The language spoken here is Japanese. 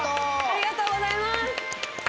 ありがとうございます！